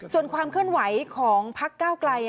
ส่วนความเคลื่อนไหวของพักก้าวไกล